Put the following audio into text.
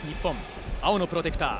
青のプロテクター。